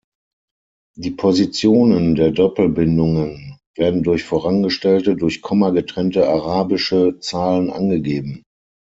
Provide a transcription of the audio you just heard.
Die Positionen der Doppelbindungen werden durch vorangestellte, durch Komma getrennte arabische Zahlen angegeben.